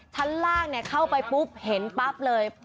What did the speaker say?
ชั้นล่างเข้าไปปุ๊บเห็นปั๊บเลย